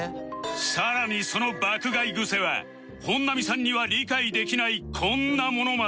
さらにその爆買いグセは本並さんには理解できないこんなものまで